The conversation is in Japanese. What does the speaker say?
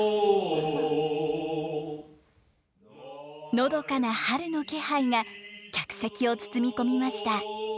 のどかな春の気配が客席を包み込みました。